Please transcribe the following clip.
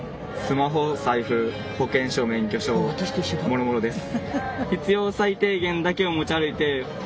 もろもろです。